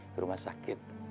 ke rumah sakit